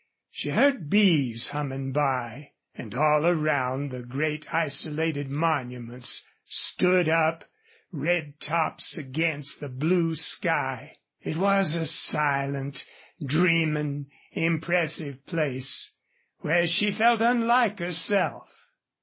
She heard bees humming by. And all around the great isolated monuments stood up, red tops against the blue sky. It was a silent, dreaming, impressive place, where she felt unlike herself.